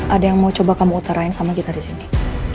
ada yang mau coba kamu utarain sama kita disini